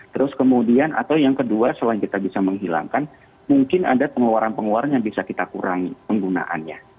terus kemudian atau yang kedua selain kita bisa menghilangkan mungkin ada pengeluaran pengeluaran yang bisa kita kurangi penggunaannya